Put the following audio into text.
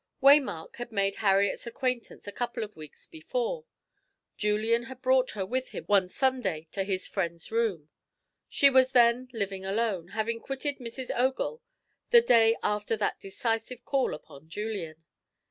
Waymark had made Harriet's acquaintance a couple of weeks before; Julian had brought her with him one Sunday to his friend's room. She was then living alone, having quitted Mrs. Ogle the day after that decisive call upon Julian.